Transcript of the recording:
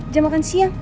jam makan siang